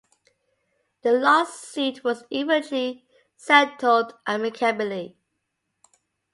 The lawsuit was eventually settled amicably.